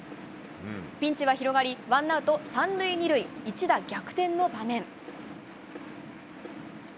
ピンチは広がり、ワンアウト３塁２塁、一打逆転の場面。